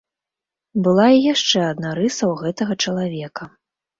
Была і яшчэ адна рыса ў гэтага чалавека.